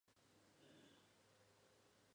本片由担纲编剧和导演。